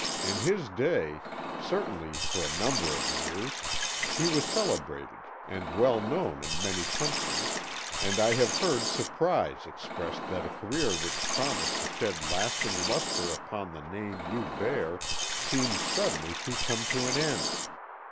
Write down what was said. In his day, certainly for a number of years, he was celebrated, and well known in many countries, and I have heard surprise expressed that a career which promised to shed lasting lustre upon the name you bear seemed suddenly to come to an end.